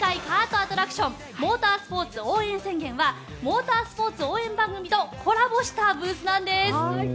アトラクションモータースポーツ応援宣言はモータースポーツ応援番組とコラボしたブースなんです。